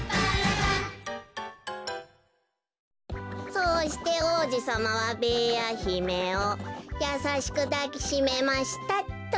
「そうして王子様はべーやひめをやさしくだきしめました」っと。